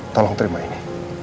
tolong terima ini